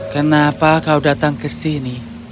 kenapa kau datang ke sini